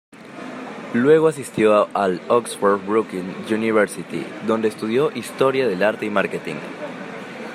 Luego asistió al Oxford Brookes University, donde estudió Historia del Arte y Marketing.